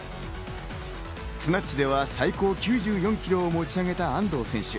スナッチでは、最高９４ｋｇを持ち上げた安藤選手。